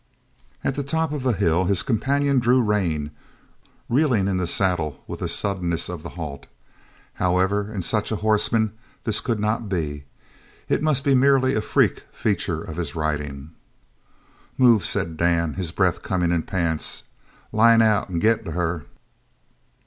At the top of a hill his companion drew rein, reeling in the saddle with the suddenness of the halt. However, in such a horseman, this could not be. It must be merely a freak feature of his riding. "Move," said Dan, his breath coming in pants. "Line out and get to her."